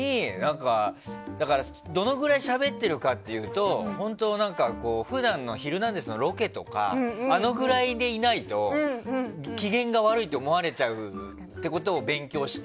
どのくらいしゃべってるかっていうと本当、普段の「ヒルナンデス！」のロケとかあのぐらいでいないと機嫌が悪いと思われると勉強して。